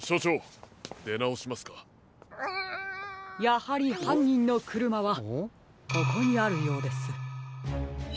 やはりはんにんのくるまはここにあるようです。